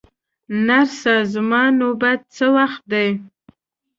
نرسه، زما نوبت څه وخت دی؟